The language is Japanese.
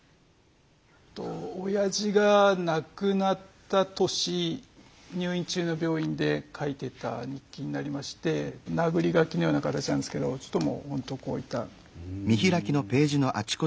おやじが亡くなった年入院中の病院で書いてた日記になりましてなぐり書きのような形なんですけどほんとこういった。